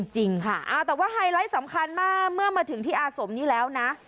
จริงค่ะแต่ว่าไฮไลท์สำคัญมากเมื่อมาถึงที่อาสมนี้แล้วนะ